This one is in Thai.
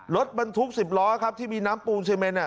รถมันทุกสิบล้อครับที่มีน้ำปูใช่ไหมน่ะ